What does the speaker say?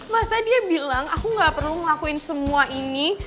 masa dia bilang aku gak perlu ngelakuin semua ini